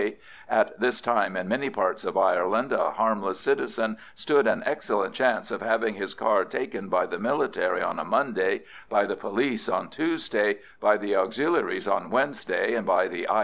—at this time in many parts of Ireland a harmless citizen stood an excellent chance of having his car taken by the military on a Monday, by the police on Tuesday, by the Auxiliaries on Wednesday, and by the I.